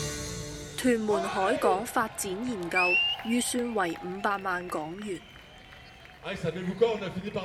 屯門海港發展研究，預算為五百萬港元